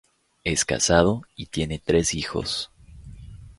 Es casado y tiene tres hijos.